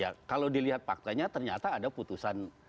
ya kalau dilihat faktanya ternyata ada putusan